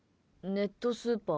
ネットスーパー。